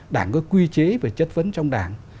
đảng có quy chế và chất vấn trong đảng